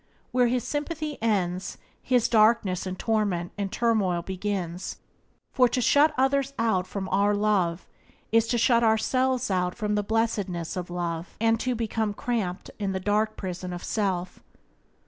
Where his sympathy ends his darkness and torment and turmoil's begin, for to shut others out from our love is to shut ourselves out from the blessedness of love, and to become cramped in the dark prison of self.